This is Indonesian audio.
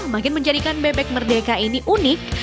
makin menjadikan bebek merdeka ini unik